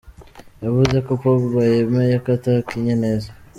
Yavuze ko Pogba "yemeye ko atakinye neza".